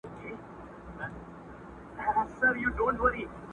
پسرلي په شپه کي راسي لکه خوب هسي تیریږي!.